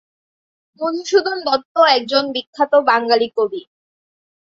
মধুসূদন দত্ত একজন বিখ্যাত বাঙালি কবি।